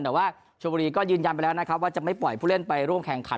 แต่ว่าชมบุรีก็ยืนยันไปแล้วนะครับว่าจะไม่ปล่อยผู้เล่นไปร่วมแข่งขัน